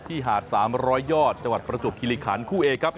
หาด๓๐๐ยอดจังหวัดประจวบคิริขันคู่เอกครับ